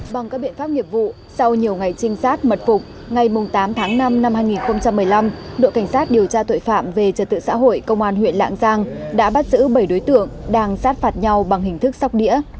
bằng các biện pháp nghiệp vụ sau nhiều ngày trinh sát mật phục ngày tám tháng năm năm hai nghìn một mươi năm đội cảnh sát điều tra tội phạm về trật tự xã hội công an huyện lạng giang đã bắt giữ bảy đối tượng đang sát phạt nhau bằng hình thức sóc đĩa